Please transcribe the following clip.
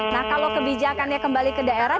nah kalau kebijakannya kembali ke daerah